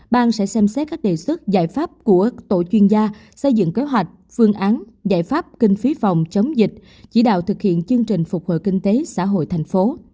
bang sẽ xem xét các đề xuất giải pháp của tổ chuyên gia xây dựng kế hoạch phương án giải pháp kinh phí phòng chống dịch chỉ đạo thực hiện chương trình phục hồi kinh tế xã hội thành phố